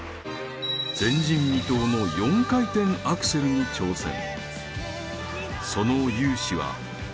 前人未到の４回転アクセルに挑戦